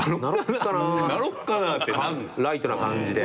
ライトな感じで。